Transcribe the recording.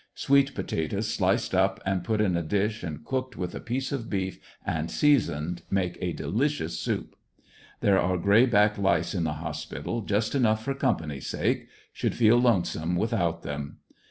Sweet potatoes sliced up and put in a dish and cooked with a piece of beef and seasoned, make a delicious soup. There are grayback lice in the hospital, just enough for company's sake — should feel lonesome without them.